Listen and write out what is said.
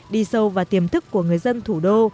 đi sâu vào tiềm thức của người dân thủ đô